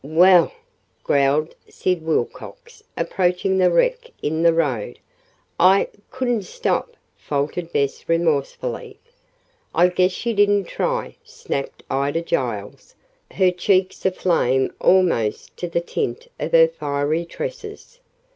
"Well!" growled Sid Wilcox, approaching the wreck in the road. "I couldn't stop," faltered Bess remorsefully. "I guess you didn't try," snapped Ida Giles, her cheeks aflame almost to the tint of her fiery tresses.